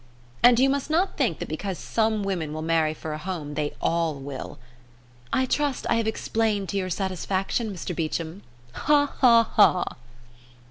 And you must not think that because some women will marry for a home they all will. I trust I have explained to your satisfaction, Mr Beecham. Ha ha ha!"